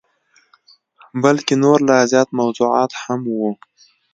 بلکه نور لا زیات موضوعات هم وه.